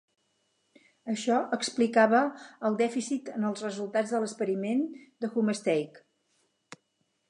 Això explicava el dèficit en els resultats de l'experiment de Homestake.